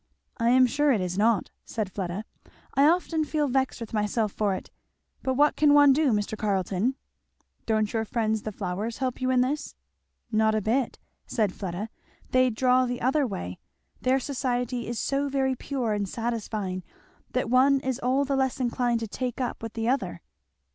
"I am sure it is not," said Fleda; "I often feel vexed with myself for it; but what can one do, Mr. Carleton?" "Don't your friends the flowers help you in this?" "Not a bit," said Fleda, "they draw the other way; their society is so very pure and satisfying that one is all the less inclined to take up with the other."